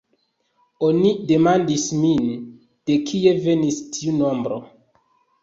Oni demandis min, de kie venis tiu nombro.